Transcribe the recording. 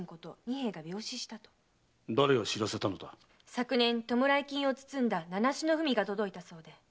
昨年弔い金を包んだ名なしの文が届いたそうで。